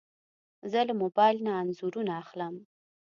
زه له موبایل نه انځورونه اخلم.